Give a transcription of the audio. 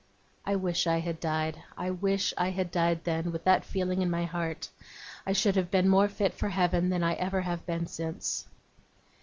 I wish I had died. I wish I had died then, with that feeling in my heart! I should have been more fit for Heaven than I ever have been since.